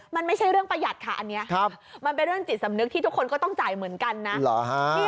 มันไม่ใช่เรื่องประหยัดค่ะอันนี้มันเป็นเรื่องจิตสำนึกที่ทุกคนก็ต้องจ่ายเหมือนกันนะ